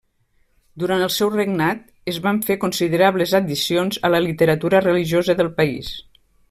Durant el seu regnat es van fer considerables addicions a la literatura religiosa del país.